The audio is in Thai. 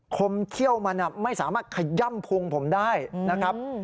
คมเขี้ยวมันไม่สามารถขย่ำพุงผมได้นะครับ